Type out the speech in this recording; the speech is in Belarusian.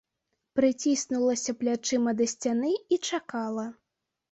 Прыціснулася плячыма да сцяны і чакала.